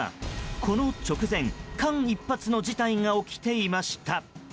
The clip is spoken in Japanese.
この直前、間一髪の事態が起きていました。